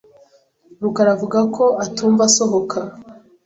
rukara avuga ko atumva asohoka .